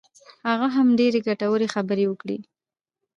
هغه هم ډېرې ګټورې خبرې وکړې.